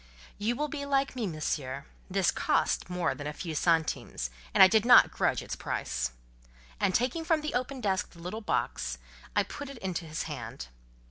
"You will be like me, Monsieur: this cost more than a few centimes, and I did not grudge its price." And taking from the open desk the little box, I put it into his hand.